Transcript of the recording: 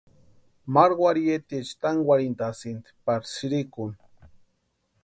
Maru warhitiecha tankwarhintasïnti pari sïrikuni.